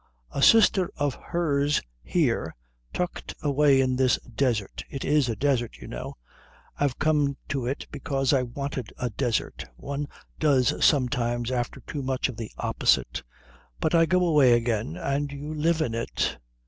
"A sister of hers here, tucked away in this desert. It is a desert, you know. I've come to it because I wanted a desert one does sometimes after too much of the opposite. But I go away again, and you live in it.